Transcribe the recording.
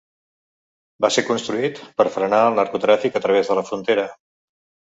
Va ser construït per frenar el narcotràfic a través de la frontera.